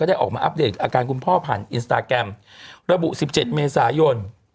ได้ออกมาอัปเดตอาการคุณพ่อผ่านอินสตาแกรมระบุ๑๗เมษายน